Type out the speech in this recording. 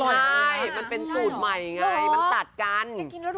ใช่มันเป็นสูตรใหม่ไงมันตัดกัน